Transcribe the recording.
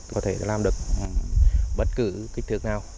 có thể làm được bất cứ kích thước nào